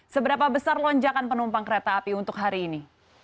seberapa besar lonjakan penumpang kereta api untuk hari ini